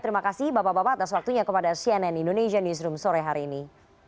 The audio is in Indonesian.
terima kasih bapak bapak atas waktunya kepada cnn indonesia newsroom sore hari ini